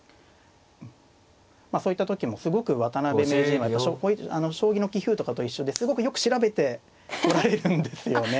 そういった時もすごく渡辺名人は将棋の棋風とかと一緒ですごくよく調べておられるんですよね。